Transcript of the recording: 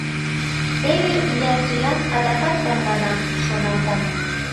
«Теве ия сӱан адакат тарвана», — шоналта.